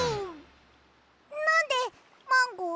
なんでマンゴー？